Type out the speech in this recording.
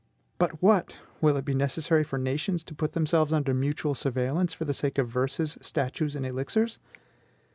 But what! will it be necessary for nations to put themselves under mutual surveillance for the sake of verses, statues, and elixirs?